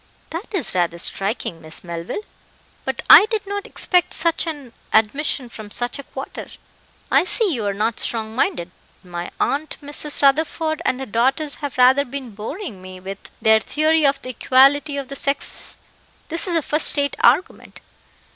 "That is rather striking, Miss Melville; but I did not expect such an admission from such a quarter. I see you are not strong minded My aunt, Mrs. Rutherford, and her daughters, have rather been boring me with their theory of the equality of the sexes: this is a first rate argument.